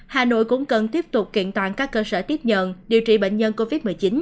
hà nội cũng cần tiếp tục kiện toàn các cơ sở tiếp nhận điều trị bệnh nhân covid một mươi chín